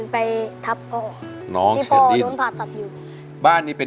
ไปทับพ่อ